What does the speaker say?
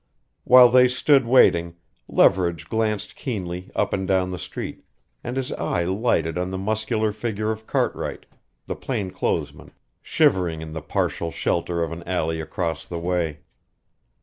While they stood waiting, Leverage glanced keenly up and down the street, and his eye lighted on the muscular figure of Cartwright, the plainclothes man, shivering in the partial shelter of an alley across the way.